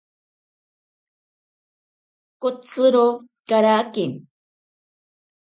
Kotsiro karake.